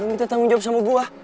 lu minta tanggung jawab sama gua